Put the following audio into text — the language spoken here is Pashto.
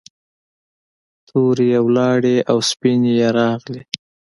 تورې یې ولاړې او سپینې یې راغلې.